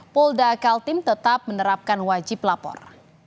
polda kaltim tetap menerapkan wajib lapor